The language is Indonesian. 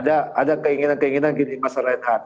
ada keinginan keinginan gini mas reinhardt